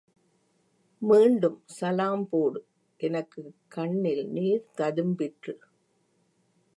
மீண்டும் சலாம் போடு! எனக்கு கண்ணில் நீர் ததும்பிற்று.